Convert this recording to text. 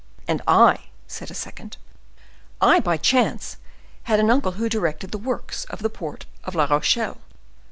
"And I," said a second, "I, by chance, had an uncle who directed the works of the port of La Rochelle.